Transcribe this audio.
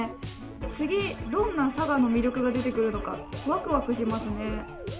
次、どんな佐賀の魅力が出てくるのか、ワクワクしますね。